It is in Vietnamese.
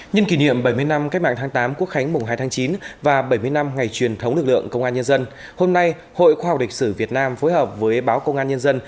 nhân kỷ niệm bảy mươi năm cách mạng tháng tám quốc khánh mùng hai tháng chín và bảy mươi năm ngày truyền thống lực lượng công an nhân dân hôm nay hội khoa học lịch sử việt nam phối hợp với báo công an nhân dân